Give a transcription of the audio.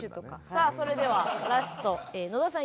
さあそれではラスト野田さん